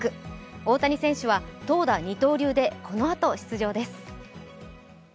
大谷選手は投打二刀流でこのあと、出場です。